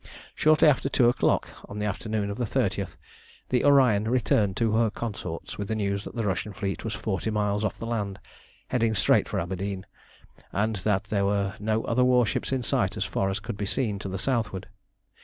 Shortly after two o'clock on the afternoon of the 30th the Orion returned to her consorts with the news that the Russian fleet was forty miles off the land, heading straight for Aberdeen, and that there were no other warships in sight as far as could be seen to the southward.